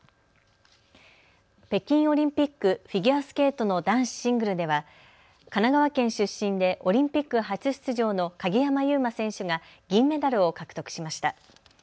北京オリンピックフィギュアスケートの男子シングルでは神奈川県出身でオリンピック初出場の鍵山優真選手が銀メダルを獲得しました。